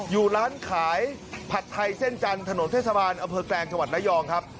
อยู่ร้านขายผัดไทยเส้นจันทร์ถนนเทศบาลอำเภอแกลงจังหวัดระยองครับ